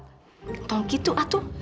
ganteng gitu atu